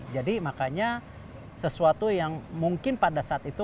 jadi makanya sesuatu yang mungkin pada saat itu